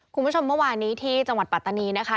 คุณผู้ชมเมื่อวานนี้ที่จังหวัดปัตตานีนะคะ